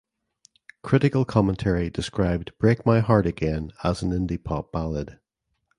Critical commentary described "Break My Heart Again" as an indie pop ballad.